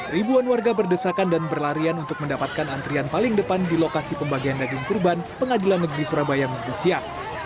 ribuan warga berdesakan dan berlarian untuk mendapatkan antrian paling depan di lokasi pembagian daging kurban pengadilan negeri surabaya minggu siang